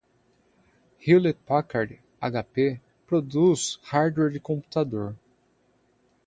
Hewlett-Packard (HP) produz hardware de computador.